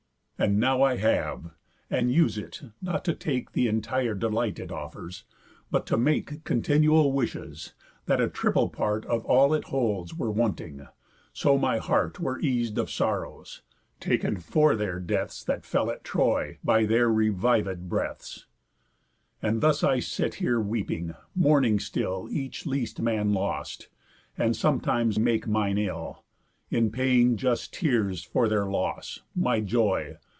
And now I have, and use it, not to take Th' entire delight it offers, but to make Continual wishes, that a triple part Of all it holds were wanting, so my heart Were eas'd of sorrows, taken for their deaths That fell at Troy, by their revivéd breaths. And thus sit I here weeping, mourning still Each least man lost; and sometimes make mine ill, In paying just tears for their loss, my joy.